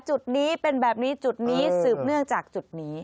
จุดนี้เป็นแบบนี้จุดนี้สืบเนื่องจากจุดนี้